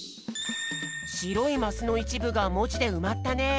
しろいマスのいちぶがもじでうまったね。